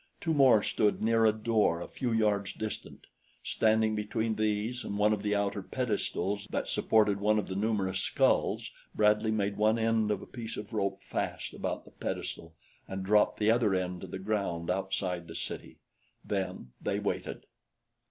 Two more stood near a door a few yards distant. Standing between these and one of the outer pedestals that supported one of the numerous skulls Bradley made one end of a piece of rope fast about the pedestal and dropped the other end to the ground outside the city. Then they waited.